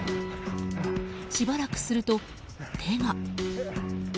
しばらくすると、手が。